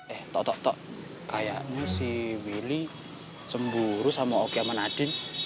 eh tok tok tok kayaknya si willy cemburu sama oki sama nading